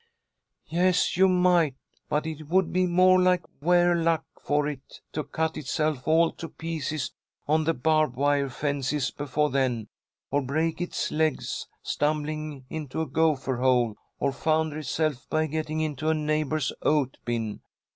"Yes, you might, but it would be more like Ware luck for it to cut itself all to pieces on the barb wire fences before then, or break its legs stumbling into a gopher hole, or founder itself by getting into a neighbour's oat bin.